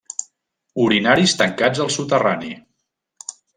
Urinaris tancats al soterrani.